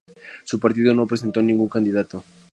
Su partido no presentó ningún candidato.